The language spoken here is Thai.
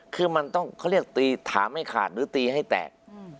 คือมันต้องเขาเรียกตีถามให้ขาดหรือตีให้แตก